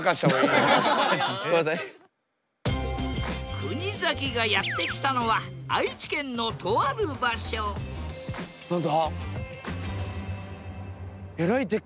国崎がやって来たのは愛知県のとある場所何だ？